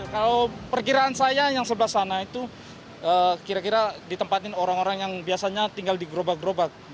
kalau perkiraan saya yang sebelah sana itu kira kira ditempatin orang orang yang biasanya tinggal di gerobak gerobak